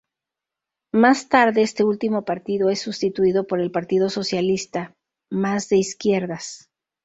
Más tarde este último partido es sustituido por el Partido Socialista, más de izquierdas.